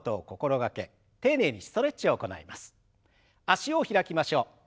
脚を開きましょう。